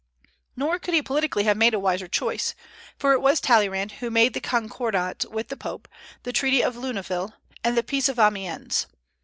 Nor could he politically have made a wiser choice; for it was Talleyrand who made the Concordat with the Pope, the Treaty of Luneville, and the Peace of Amiens.